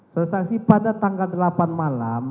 saudara saksi pada tanggal delapan malam